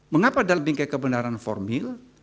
mengapa dalam bingkai kebenaran formil